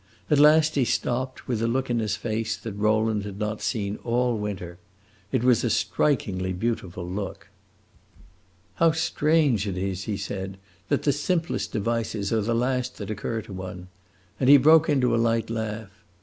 At last he stopped, with a look in his face that Rowland had not seen all winter. It was a strikingly beautiful look. "How strange it is," he said, "that the simplest devices are the last that occur to one!" And he broke into a light laugh.